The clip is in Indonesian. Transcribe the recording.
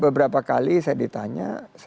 beberapa kali saya ditanya